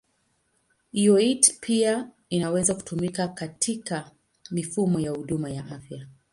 IoT pia inaweza kutumika katika mifumo ya huduma ya afya.